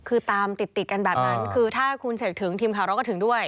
คือตามติดติดกันแบบนั้นคือถ้าคุณเสกถึงทีมข่าวเราก็ถึงด้วย